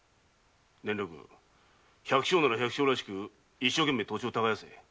伝六百姓なら百姓らしく一生懸命土地を耕せ。